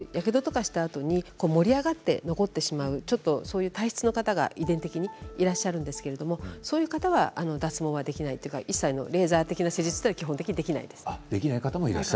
やけどをしたあとに盛り上がって残ってしまうそういう体質の方が遺伝的にいらっしゃるんですけどそういう方は脱毛はできない一切のレーザー的な施術はできません。